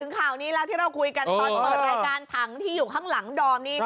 ข่าวนี้แล้วที่เราคุยกันตอนเปิดรายการถังที่อยู่ข้างหลังดอมนี่